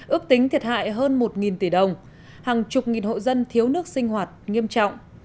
ước tính thiệt hại hơn một tỷ đồng hàng chục nghìn hộ dân thiếu nước sinh hoạt nghiêm trọng